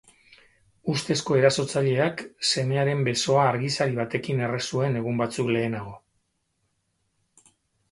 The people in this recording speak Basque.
Ustezko erasotzaileak semearen besoa argizari batekin erre zuen egun batzuk lehenago.